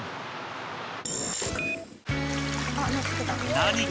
［何か］